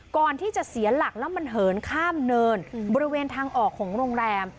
ก่อนที่จะเสียหลักแล้วมันเหินข้ามเนินบริเวณทางออกของโรงแรม